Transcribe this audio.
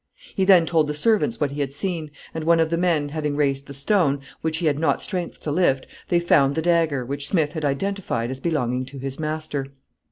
He then told the servants what he had seen, and one of the men having raised the stone, which he had not strength to lift, they found the dagger, which Smith had identified as belonging to his master.